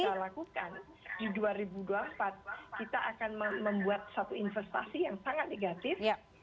kita lakukan di dua ribu dua puluh empat kita akan membuat satu investasi yang sangat negatif